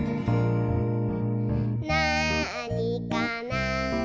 「なあにかな？」